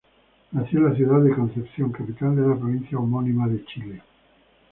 Nació en la ciudad de Concepción, capital de la provincia homónima, Chile.